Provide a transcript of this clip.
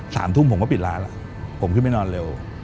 สามทุ่มผมก็ปิดร้านแล้วผมขึ้นไปนอนเร็ว